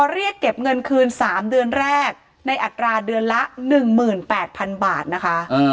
เรียกเก็บเงินคืน๓เดือนแรกในอัตราเดือนละ๑๘๐๐๐บาทนะคะ